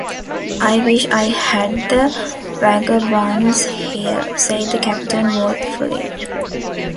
‘I wish I had the vagabonds here,’ said the captain wrathfully.